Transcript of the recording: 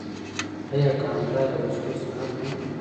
آیا کاناډا د وسلو صنعت نلري؟